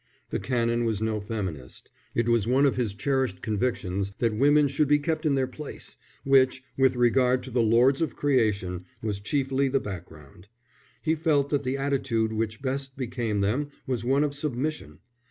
The Canon was no feminist. It was one of his cherished convictions that women should be kept in their place, which, with regard to the lords of creation, was chiefly the background. He felt that the attitude which best became them was one of submission.